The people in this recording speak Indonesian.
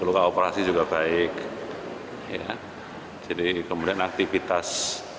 luka operasi juga baik jadi kemudian aktivitas